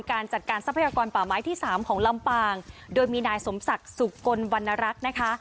การจัดการทรัพยากรป่าไม้ที่สามของลำปางโดยมีนายสมศักดิ์สุกลวรรณรักษ์นะคะ